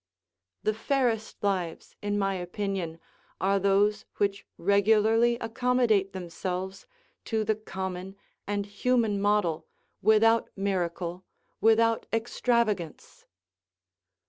The fairest lives, in my opinion, are those which regularly accommodate themselves to the common and human model without miracle, without extravagance.